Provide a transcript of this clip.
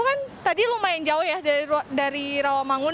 itu kan tadi lumayan jauh ya dari rawamangun